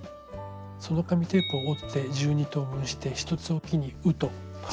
その紙テープを折って１２等分して１つおきに「う」とつけてきます。